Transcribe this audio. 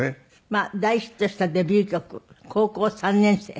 まあ大ヒットしたデビュー曲『高校三年生』。